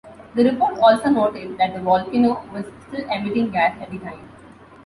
The report also noted that the volcano was still emitting gas at the time.